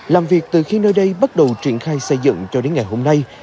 làm việc từ khi nơi đây bắt đầu triển khai xây dựng cho đến ngày hôm nay